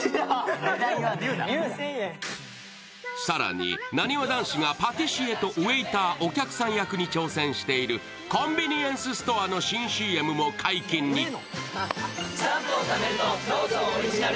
更になにわ男子がパティシェとウエイター、お客さん役に挑戦しているコンビニエンスストアの新ＣＭも解禁に。